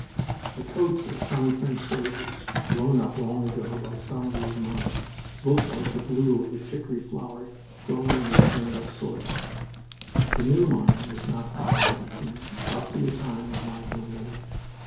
The coats of some French soldiers, blown up long ago by some of these mines, looked like the blue of the chicory flower growing in the churned up soil... The new mine was not fired that afternoon, up to the time of my going away.